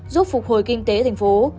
giúp phục hồi kinh tế thành phố